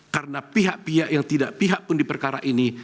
karena pihak pihak yang tidak pihakpun di perkara ini